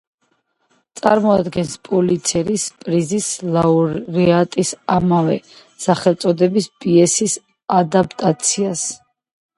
წარმოადგენს პულიცერის პრიზის ლაურეატი ამავე სახელწოდების პიესის ადაპტაციას.